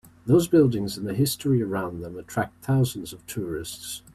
Those buildings and the history around them attract thousands of tourists.